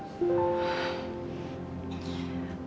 kamu belum mengambil keputusan